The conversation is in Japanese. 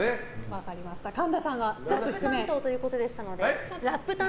ラップ担当ということでしたので。